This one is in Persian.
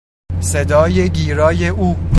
صدای گیرای او